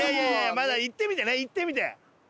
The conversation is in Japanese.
まだ行ってみてね行ってみて。